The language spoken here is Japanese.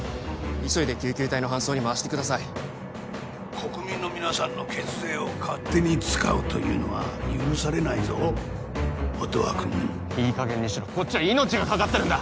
急いで救急隊の搬送に回してください国民の皆さんの血税を勝手に使うというのは許されないぞ音羽君いい加減にしろこっちは命がかかってるんだ！